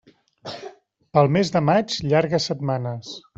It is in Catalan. Pel mes de maig, llargues setmanes.